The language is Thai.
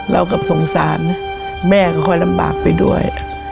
เราก็สงสารแม่ก็ค่อยลำบากไปด้วย